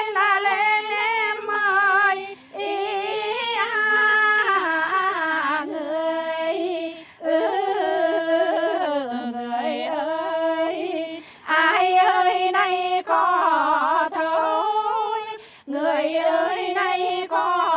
chào quan bác